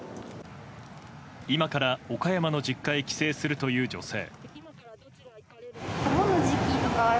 今から岡山の実家へ帰省するという女性。